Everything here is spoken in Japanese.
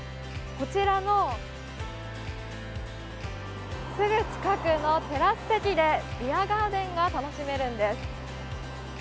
こちらのすぐ近くのテラス席でビアガーデンが楽しめるんです。